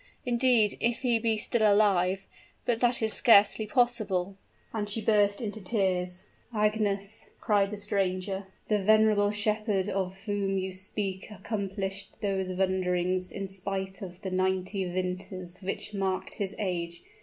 Indeed, if he be still alive but that is scarcely possible " And she burst into tears. "Agnes," cried the stranger, "the venerable shepherd of whom you speak accomplished those wanderings in spite of the ninety winters which marked his age.